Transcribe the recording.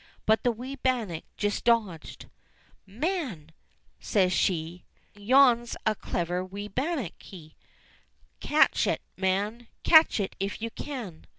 But the wee bannock just dodged. "Man !" says she, "yon's a clever wee bannockie ! Catch it, man ! Catch it if you can."